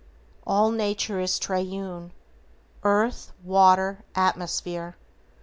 All Nature is Triune: Earth, Water, Atmosphere.